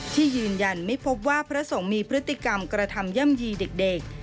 ที่ยืนยันไม่พบว่าพระสงฆ์มีพฤติกรรมกระทำย่ำยีเด็ก